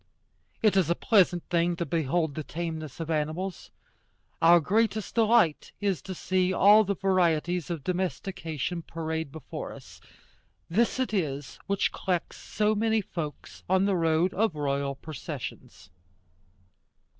It is a pleasant thing to behold the tameness of animals. Our greatest delight is to see all the varieties of domestication parade before us. This it is which collects so many folks on the road of royal processions.